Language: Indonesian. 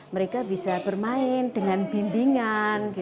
mereka bisa bermain dengan bimbingan